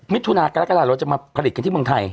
มิสชุนาฯกล้าจะมาผลิตกันที่เมืองไทย